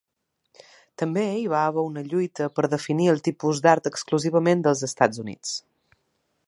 També hi va haver una lluita per definir un tipus d'art exclusivament dels Estats Units.